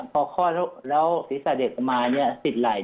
พอคลอดแล้วศิษยาเด็กมาติดไหล